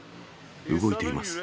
動いています。